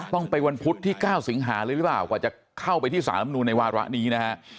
ต้องไปวันพุธที่๙สิงหาเลยหรือเปล่ากว่าจะเข้าไปที่สารลำนูนในวาระนี้นะฮะ